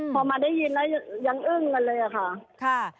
พอมาได้ยินแล้วยังอึ้งกันเลยอะค่ะ